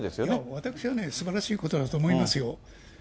私はね、すばらしいことだと思いますよ。